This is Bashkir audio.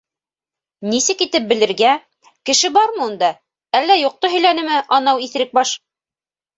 Нисек итеп белергә, кеше бармы унда, әллә юҡты һөйләнеме анау иҫерек баш?